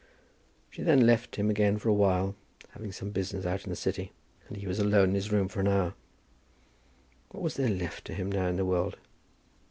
She then left him again for awhile, having some business out in the city, and he was alone in his room for an hour. What was there left to him now in the world?